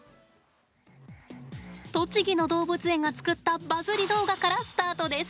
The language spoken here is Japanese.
栃木の動物園が作ったバズり動画からスタートです。